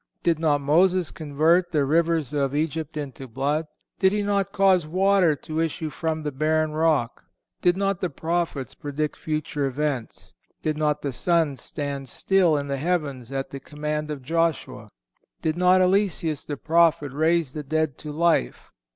Did not Moses convert the rivers of Egypt into blood? Did he not cause water to issue from the barren rock? Did not the prophets predict future events? Did not the sun stand still in the heavens at the command of Josue? Did not Eliseus, the prophet, raise the dead to life?